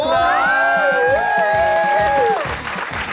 โอ้โฮ